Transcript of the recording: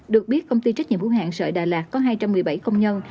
được biết công ty trách nhiệm hữu hạng sợi đà lạt có hai trăm một mươi bảy công nhân